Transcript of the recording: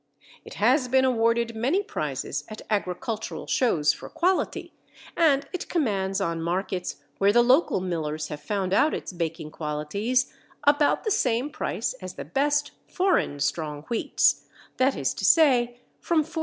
It has been awarded many prizes at agricultural shows for quality, and it commands on markets where the local millers have found out its baking qualities about the same price as the best foreign strong wheats, that is to say from 4_s.